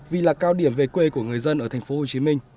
vì là cao điểm về quê của người dân ở tp hcm